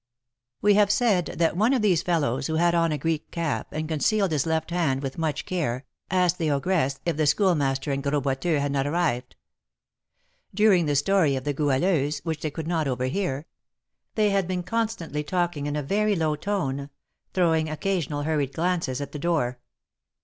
We have said that one of these fellows, who had on a Greek cap, and concealed his left hand with much care, asked the ogress if the Schoolmaster and Gros Boiteux had not arrived. During the story of the Goualeuse, which they could not overhear, they had been constantly talking in a very low tone, throwing occasional hurried glances at the door.